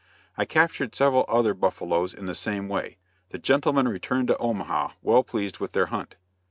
I captured several other buffaloes in the same way. The gentlemen returned to Omaha well pleased with their hunt.